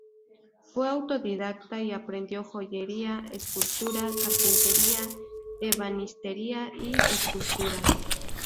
Fue autodidacta y aprendió joyería, escultura, carpintería, ebanistería y escultura.